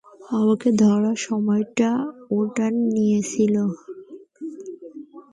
আমাকে ধরার সময় ওটা নিয়েছিল।